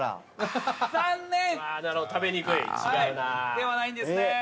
ではないんですね。